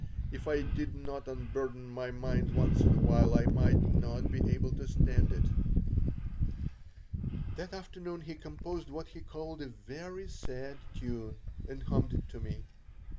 If I did not unburden my mind once in a while I might not be able to stand it." That afternoon he composed what he called a "very sad tune," and hummed it to me.